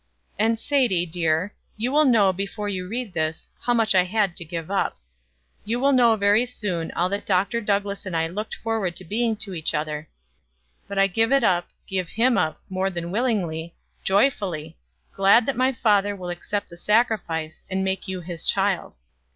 "And Sadie, dear, you will know before you read this, how much I had to give up. You will know very soon all that Dr. Douglass and I looked forward to being to each other but I give it up, give him up, more than willingly joyfully glad that my Father will accept the sacrifice, and make you his child.